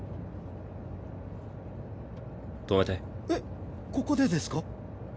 えっここでですか？